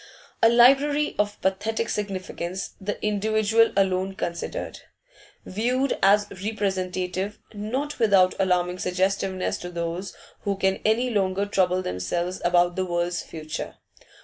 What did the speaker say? A library of pathetic significance, the individual alone considered. Viewed as representative, not without alarming suggestiveness to those who can any longer trouble themselves about the world's future.